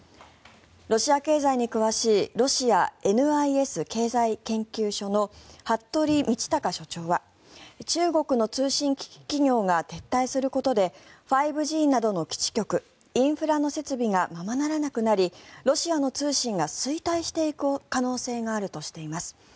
ロシア経済に詳しいロシアＮＩＳ経済研究所の服部倫卓所長は中国の通信機器企業が撤退することで５Ｇなどの基地局インフラの整備が間々ならなくなりロシアの通信が衰退する可能性もあるとしています。